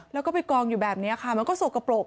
แล้วก็ไปกองอยู่แบบนี้ค่ะมันก็สกปรก